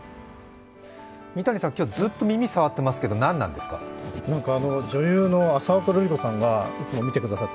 三谷さん、今日ずっと耳触ってますけど、何でですか。